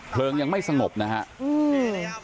เพลิงยังไม่สงบนะครับ